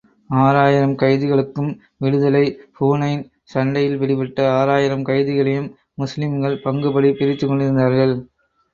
ஆறாயிரம் கைதிகளுக்கும் விடுதலை ஹுனைன் சண்டையில் பிடிபட்ட ஆறாயிரம் கைதிகளையும், முஸ்லிம்கள் பங்குப்படி பிரித்துக் கொண்டிருந்தார்கள்.